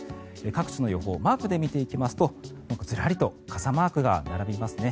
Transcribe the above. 各地の予報マークで見ていきますとずらりと傘マークが並びますね。